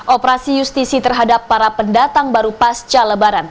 operasi justisi terhadap para pendatang baru pasca lebaran